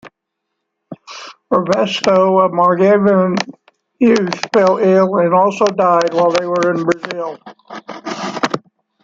Evaristo, a Mangarevan youth, fell ill and also died while they were in Brazil.